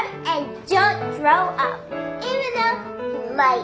はい。